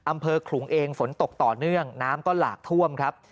ขลุงเองฝนตกต่อเนื่องน้ำก็หลากท่วมครับ